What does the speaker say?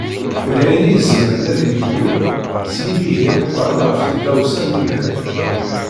Dayen i izemren ad d-yeglu s yimihi ameqqran ɣef tdawsa n yimdanen.